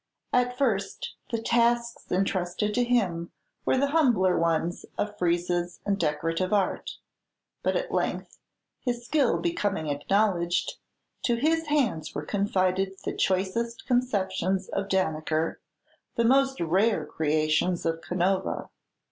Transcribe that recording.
At first, the tasks intrusted to him were the humbler ones of friezes and decorative art; but at length, his skill becoming acknowledged, to his hands were confided the choicest conceptions of Danneker, the most rare creations of Canova.